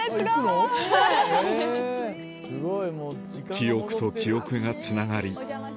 記憶と記憶がつながり